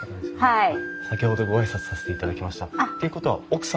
はい。